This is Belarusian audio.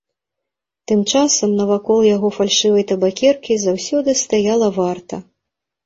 Тым часам навакол яго фальшывай табакеркі заўсёды стаяла варта.